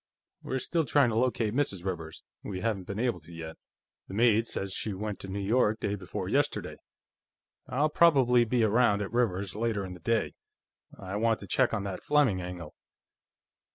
We're still trying to locate Mrs. Rivers; we haven't been able to, yet. The maid says she went to New York day before yesterday." "I'll probably be around at Rivers's, later in the day. I want to check on that Fleming angle."